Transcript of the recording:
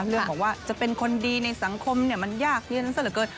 เรื่องของว่าจะเป็นคนดีในสังคมมันยากเย็นซะเหลือเกิน